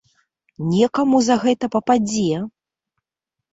Некаму за гэта пападзе!